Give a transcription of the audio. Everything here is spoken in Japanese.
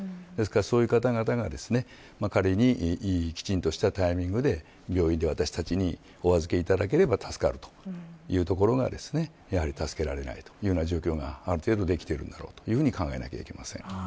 ですから、そういう方々にきちんとしたタイミングで病院で私たちにお預けいただければ助かるというところが、やはり助けられないという状況がある程度できているんだろうと考えなければいけません。